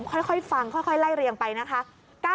ค่อยฟังค่อยไล่เรียงไปนะคะ